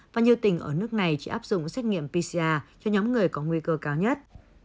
và nhiều tỉnh ở nước này chỉ áp dụng xét nghiệm pcr cho nhóm người có nguy cơ cao nhất